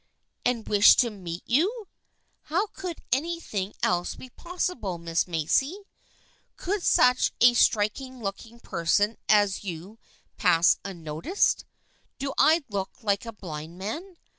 "And wished to meet you? How could any thing else be possible, Miss Macy ? Could such a striking looking person as you pass unnoticed ? Do I look like a blind man